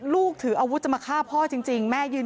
ลูกถืออาวุธจะมาฆ่าพ่อจริงแม่ยืน